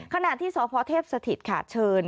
ขณะที่สพเทพศขาดเชิญ